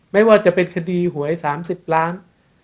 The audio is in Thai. ไม่ว่าจะเป็นคดีหวย๓๐ล้าน